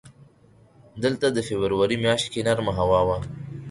دلته د فبروري میاشت کې نرمه هوا وه.